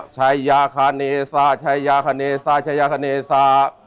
ชายะขณะสาชายะขณะสาชายะขณะสา